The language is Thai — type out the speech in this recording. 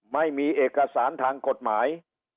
ไม่มีเอกสารทางกฎหมาย